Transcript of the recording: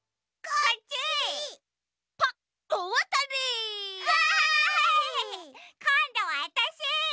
こんどはわたし！